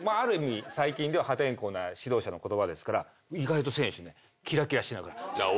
最近では破天荒な指導者の言葉ですから意外と選手ねきらきらしながら「そう」